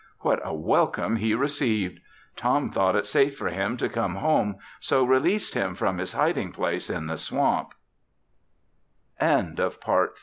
What a welcome he received. Tom thought it safe for him to come home so released him from his hiding place in the swamp. No. 280. REPORT OF BV'T.